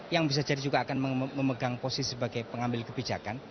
yang bisa jadi juga akan memegang posisi sebagai pengambil kebijakan